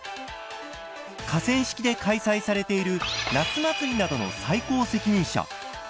河川敷で開催されている夏祭りなどの最高責任者。